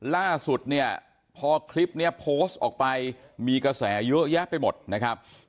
ล่าสุดเนี่ยพอคลิปนี้โพสต์ออกไปมีกระแสเยอะแยะไปหมดนะครับ